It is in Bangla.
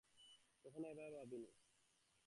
কখনো এভাবে ভাবিনি।